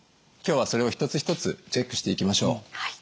今日はそれを一つ一つチェックしていきましょう。